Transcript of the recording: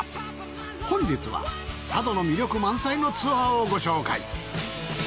本日は佐渡の魅力満載のツアーをご紹介。